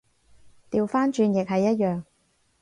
掉返轉亦係一樣